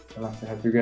salam sehat juga